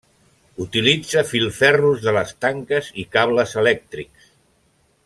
Utilitza filferros de les tanques i cables elèctrics.